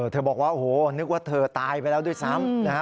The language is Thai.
เธอบอกว่านึกว่าเธอตายไปแล้วด้วยซ้ำ